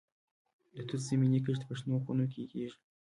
د توت زمینی کښت په شنو خونو کې کیږي.